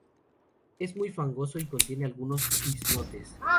Es muy fangoso y contiene algunos islotes.